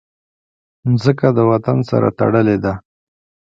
مځکه د وطن سره تړلې ده.